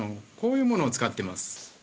こういうものを使ってます